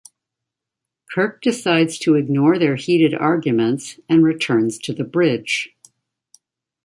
Kirk decides to ignore their heated arguments and returns to the bridge.